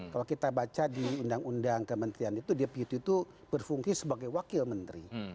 kalau kita baca di undang undang kementerian itu deputi itu berfungsi sebagai wakil menteri